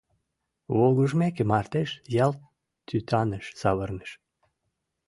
Волгыжмеке, мардеж ялт тӱтаныш савырныш.